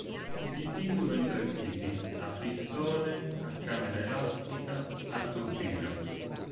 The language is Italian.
Si distinguono in tre tipi: a pistone, a camera elastica, a turbina.